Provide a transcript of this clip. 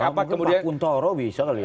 mungkin pak kuntaro bisa kali ya